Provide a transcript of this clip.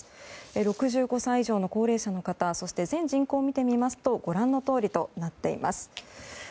６５歳以上の高齢者の方そして、全人口を見てみますとご覧のとおりとなっています。